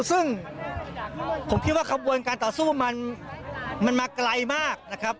ซึ่งผมคิดว่าขบวนการต่อสู้มันมาไกลมากนะครับ